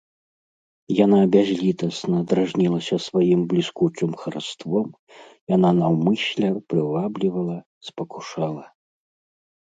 Яна бязлітасна дражнілася сваім бліскучым хараством, яна наўмысля прываблівала, спакушала.